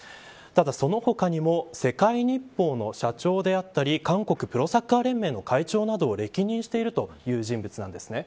ただ、その他にも世界日報の社長であったり韓国プロサッカー連盟の会長などを歴任しているという人物なんですね。